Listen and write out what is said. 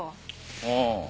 ああ。